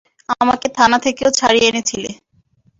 আমাকে থানা থেকেও ছাড়িয়ে এনেছিলে।